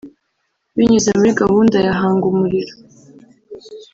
Binyuze muri gahunda ya Hanga Umuriro